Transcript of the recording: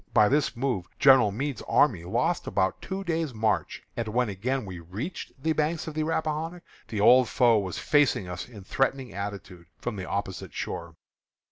By this move General Meade's army lost about two days' march; and when again we reached the bank of the Rappahannock, the old foe was facing us in threatening attitude from the opposite shore.